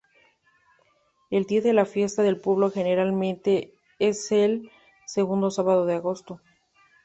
El día de la fiesta del pueblo generalmente es el segundo sábado de agosto.